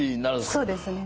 そうですね。